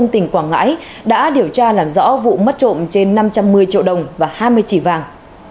tỉnh quảng ngãi đã điều tra làm rõ vụ mất trộm trên năm trăm một mươi triệu đồng và hai mươi chỉ vàng